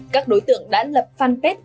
các đối tượng đã lập fanpage